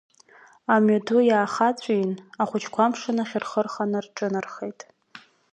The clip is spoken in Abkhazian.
Амҩаду иаахаҵәин, ахәыҷқәа амшын ахь рхы рханы рҿынархеит.